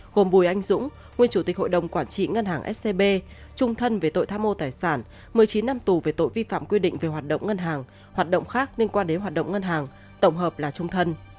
gồm bùi anh dũng nguyên chủ tịch hội đồng quản trị ngân hàng scb trung thân về tội tham mô tài sản một mươi chín năm tù về tội vi phạm quy định về hoạt động ngân hàng hoạt động khác liên quan đến hoạt động ngân hàng tổng hợp là trung thân